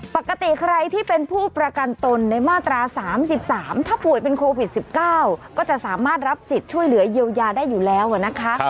ปกติใครที่เป็นผู้ประกันตนในมาตรา๓๓ถ้าป่วยเป็นโควิด๑๙ก็จะสามารถรับสิทธิ์ช่วยเหลือเยียวยาได้อยู่แล้วนะคะ